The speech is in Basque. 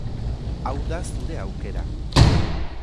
Hau da zure aukera!